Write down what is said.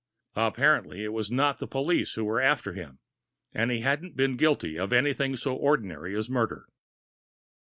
Apparently it was not the police who were after him, and he hadn't been guilty of anything so ordinary as murder.